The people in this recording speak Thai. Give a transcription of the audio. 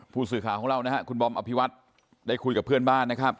ผู้สื่อข่าวของเรานะครับคุณบอมอภิวัตรได้คุยกับเพื่อนบ้านนะครับ